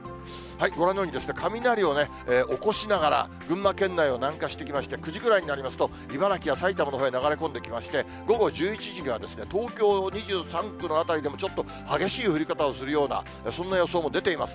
ご覧のように雷を起こしながら、群馬県内を南下してきまして、９時くらいになりますと、茨城や埼玉のほうへ流れ込んできまして、午後１１時には東京２３区の辺りでも、ちょっと激しい降り方をするような、そんな予想も出ています。